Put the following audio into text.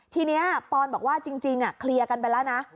ทีนี้ปอนบอกว่าจริงเคลียร์กันไปแล้วนะ